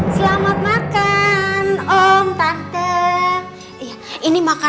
sampai nanti kamu masak din